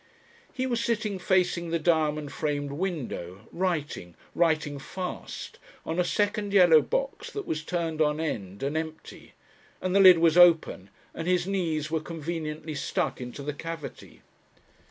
He was sitting facing the diamond framed window, writing, writing fast, on a second yellow box that was turned on end and empty, and the lid was open, and his knees were conveniently stuck into the cavity.